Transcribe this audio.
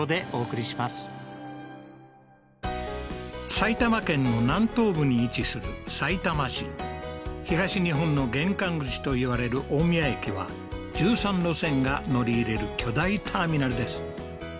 埼玉県の南東部に位置するさいたま市東日本の玄関口といわれる大宮駅は１３路線が乗り入れる巨大ターミナルです